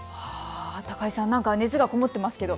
高井さん、なんか熱がこもってますね。